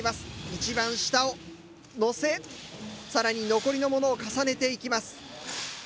一番下をのせ更に残りのものを重ねていきます。